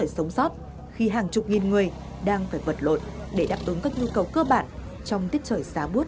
sống sót khi hàng chục nghìn người đang phải vật lộn để đáp tốn các nhu cầu cơ bản trong tiết trời xá bút mùa đông